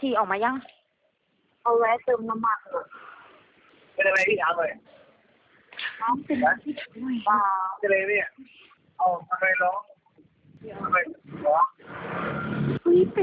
ที่อ๊อฟวัย๒๓ปี